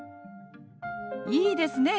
いいですね。